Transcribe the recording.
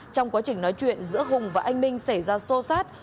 trong quá trình nói chuyện giữa hùng và anh minh xảy ra xô xát